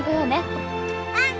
うん！